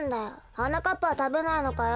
はなかっぱはたべないのかよ。